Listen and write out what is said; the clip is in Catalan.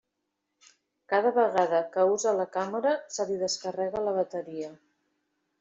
Cada vegada que usa la càmera se li descarrega la bateria.